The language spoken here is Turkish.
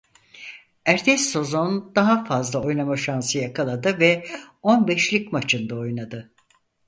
Ertesi sezon daha fazla oynama şansı yakaladı ve on beş lig maçında oynadı.